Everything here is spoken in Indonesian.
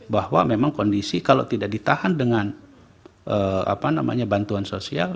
bahwa memang kondisi kalau tidak ditahan dengan bantuan sosial